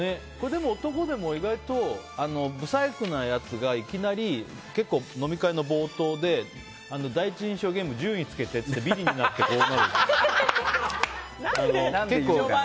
でも、男でも意外と不細工なやつがいきなり結構、飲み会の冒頭で第一印象ゲーム順位つけてって言ってビリになって落ち込むっていう。